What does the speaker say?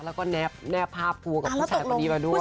แล้วก็แนบภาพครูกับผู้ชายคนนี้มาด้วย